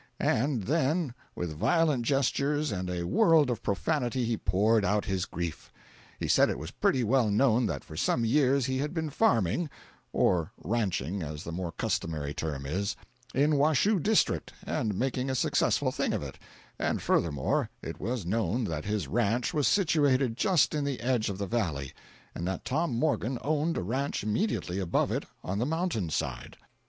And then, with violent gestures and a world of profanity, he poured out his grief. He said it was pretty well known that for some years he had been farming (or ranching as the more customary term is) in Washoe District, and making a successful thing of it, and furthermore it was known that his ranch was situated just in the edge of the valley, and that Tom Morgan owned a ranch immediately above it on the mountain side.